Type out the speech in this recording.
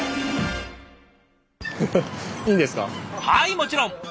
はいもちろん！